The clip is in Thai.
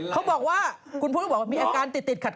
เขาบอกว่าคุณพุทธก็บอกว่ามีอาการติดขัด